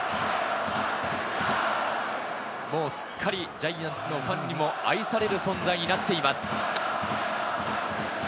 もうすっかりジャイアンツのファンにも愛される存在になっています。